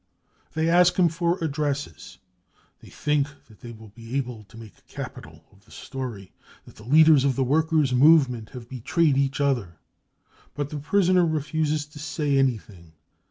They ask him for addresses. They think that they will be able to make capital of the story that the leaders of the workers 5 movement have betrayed each other. But the prisoner refuses to say any thing.